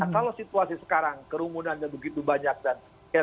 nah kalau situasi sekarang kerumunannya begitu banyak dan